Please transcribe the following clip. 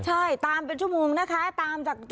ใช่ตามเป็นชมูมนะคะ